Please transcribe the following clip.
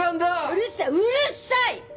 うるさいうるさい！